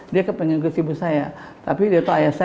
dia ke penyegut ibu saya tapi dia tau ayah saya